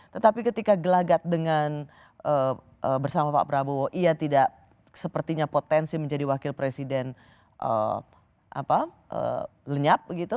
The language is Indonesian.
tetapi ketika gelagat dengan bersama pak prabowo ia tidak sepertinya potensi menjadi wakil presiden lenyap gitu